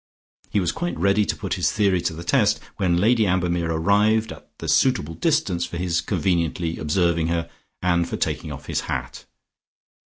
He was quite ready to put his theory to the test when Lady Ambermere had arrived at the suitable distance for his conveniently observing her, and for taking off his hat.